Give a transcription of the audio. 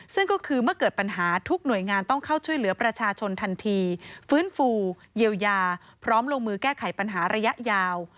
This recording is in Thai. ซึ่งก็คือเมื่อเกิดปัญหาทุกหน่วยงานต้องเข้าช่วยเหลือประชาชนทันทีฟื้นฟูเยียวยาพร้อมลงมือแก้ไขปัญหาระยะยาว